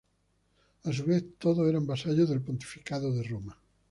A su vez, todos eran vasallos del pontificado de Roma.